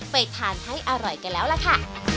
ไปทานให้อร่อยกันแล้วล่ะค่ะ